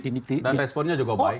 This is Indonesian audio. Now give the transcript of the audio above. dan responnya juga baik